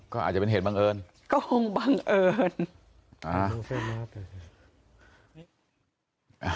ก็อาจจะเป็นเหตุบังเอิญก็คงบังเอิญ